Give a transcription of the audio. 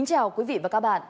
đề mục đề sáu